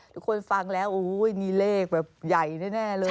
๙๘๘๙ทุกคนฟังแล้วอู้อันนี้เลขแบบใหญ่แน่เลย